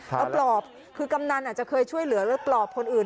เอาปลอบคือกำนันอาจจะเคยช่วยเหลือหรือปลอบคนอื่น